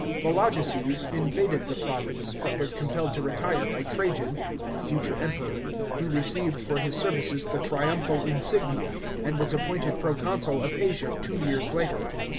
Volo geses invaded the province, but was compelled to retire by Trajan —the future Emperor — who received for his services the triumphal insignia, and was appointed proconsul of Asia two years later.